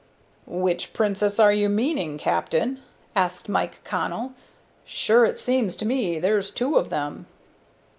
"Which Princess are you meanin', captain?" asked Mike Connell. "Sure it seems to me there's two of them."